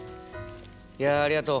いやありがとう。